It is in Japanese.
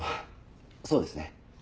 そうですね